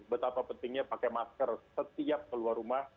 betapa pentingnya pakai masker setiap keluar rumah